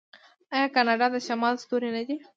آیا کاناډا د شمال ستوری نه دی؟